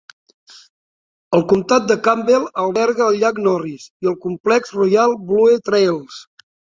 El comtat de Campbell alberga el llac Norris i el complex Royal Blue Trails.